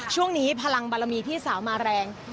ช่วงนี้พลังบารมีพี่สาวมาแรง